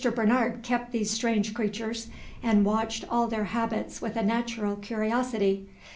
Bernard kept these strange creatures, and watched all their habits with a natural curiosity.